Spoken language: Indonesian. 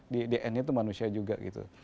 di dn itu manusia juga gitu